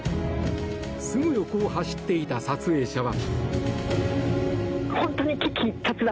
すぐ横を走っていた撮影者は。